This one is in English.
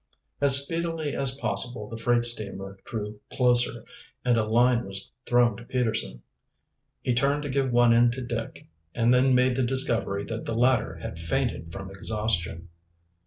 As speedily as possible the freight steamer drew closer, and a line was thrown to Peterson. He turned to give one end to Dick, and then made the discovery that the latter had fainted from exhaustion.